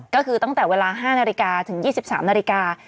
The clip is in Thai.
ก็คือตั้งแต่เวลา๕นาฬิกาถึง๒๓นาฬิกา